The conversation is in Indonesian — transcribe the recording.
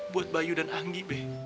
buat bayu dan anggi be